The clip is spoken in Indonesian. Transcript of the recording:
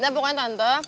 nah pokoknya tante